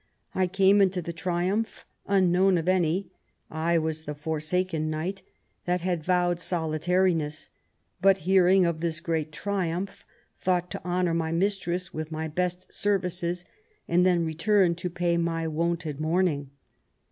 I came into the triumph unknown of any. I was the Forsaken Knight, that had vowed solitariness, but hearing of this great triumph thought to honour my mistress with my best services, and then return to pay my wonted mourning."